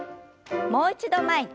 もう一度前に。